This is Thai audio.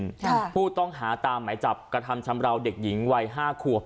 ค่ะผู้ต้องหาตามหมายจับกระทำชำราวเด็กหญิงวัยห้าขวบ